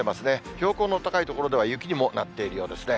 標高の高い所では雪にもなっているようですね。